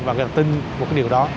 và người ta tin một điều đó